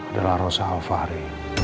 adalah rosa alvari